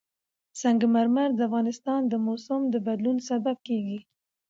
سنگ مرمر د افغانستان د موسم د بدلون سبب کېږي.